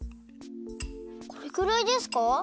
これくらいですか？